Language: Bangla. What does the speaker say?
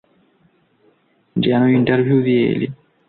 যেন ইন্টারভিউ দিয়ে এলি?